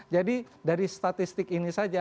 jadi dari statistik ini saja